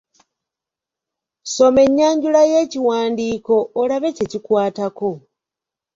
Soma ennyanjula y'ekiwandiiko olabe kye kikwatako.